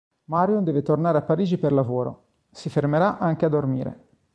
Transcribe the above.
Marion deve tornare a Parigi per lavoro, si fermerà anche a dormire.